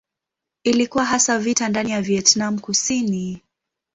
Ilikuwa hasa vita ndani ya Vietnam Kusini.